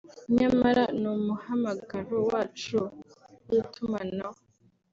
nyamara ni umuhamagaro wacu w’itumanaho